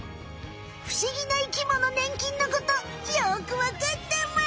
ふしぎな生きものねん菌のことよくわかったむ！